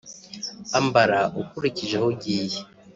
Ambara ukurikije aho ugiye